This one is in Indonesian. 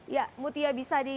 ya mutia bisa dikirimkan